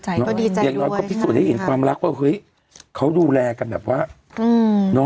ใจด้วยที่เห็นความรักว่าเห้ยเขาก็ดูแลกันแบบว่าอืม